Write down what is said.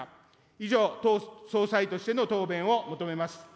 以上、党総裁としての答弁を求めます。